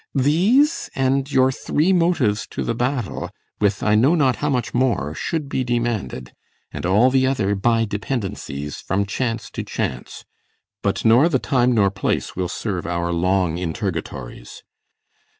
These, And your three motives to the battle, with I know not how much more, should be demanded, And all the other by dependences, From chance to chance; but nor the time nor place Will serve our long interrogatories.